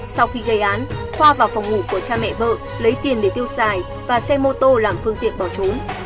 sau khi gây án khoa vào phòng ngủ của cha mẹ vợ lấy tiền để tiêu xài và xe mô tô làm phương tiện bỏ trốn